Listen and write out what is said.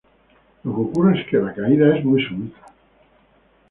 Lo que ocurre es que la caída es muy súbita.